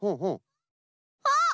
あっ！